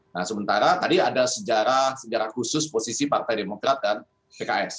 nah sementara tadi ada sejarah sejarah khusus posisi partai demokrat dan pks